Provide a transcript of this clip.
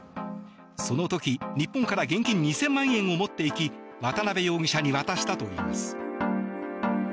その時、日本から現金２０００万円を持っていき渡邉容疑者に渡したといいます。